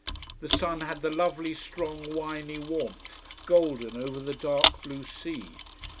The sun had the lovely strong winey warmth, golden over the dark blue sea.